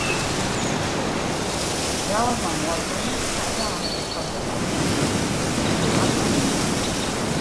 მრავალმა მოაზროვნემ სცადა ამ კითხვაზე პასუხის გაცემა, მაგრამ ამაოდ.